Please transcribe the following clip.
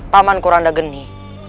paman kuranda geni